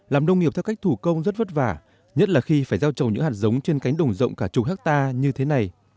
làm nông nghiệp theo cách thủ công rất vất vả nhất là khi phải gieo trồng những hạt giống trên cánh đồng rộng cả chục hectare như thế này